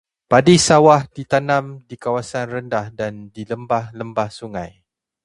Padi sawah ditanam di kawasan rendah dan di lembah-lembah sungai.